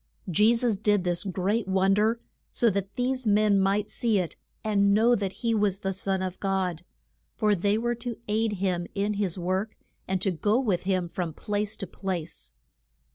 Je sus did this great won der so that these men might see it and know that he was the Son of God; for they were to aid him in his work, and to go with him from place to place.